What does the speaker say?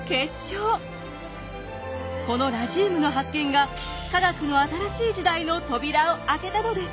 このラジウムの発見が科学の新しい時代の扉を開けたのです！